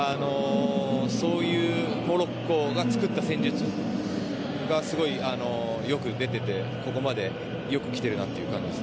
そういうモロッコが作った戦術がすごいよく出ててここまでよく来ているなという感じです。